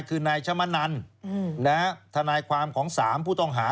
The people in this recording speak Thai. คือนายชมนันทนายความของ๓ผู้ต้องหา